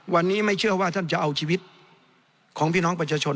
วันนี้ไม่เชื่อว่าท่านจะเอาชีวิตของพี่น้องประชาชน